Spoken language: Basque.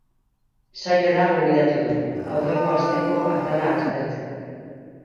Saiora gonbidatu dugu, aurreko asteko atala aztertzeko.